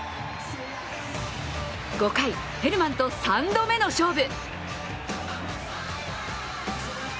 ５回、ヘルマンと３度目の勝負。